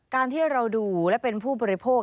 การที่เราดูและเป็นผู้บริโภค